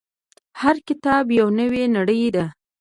• هر کتاب یو نوی نړۍ ده.